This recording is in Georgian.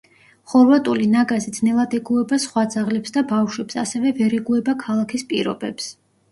ხორვატული ნაგაზი ძნელად ეგუება სხვა ძაღლებს და ბავშვებს, ასევე, ვერ ეგუება ქალაქის პირობებს.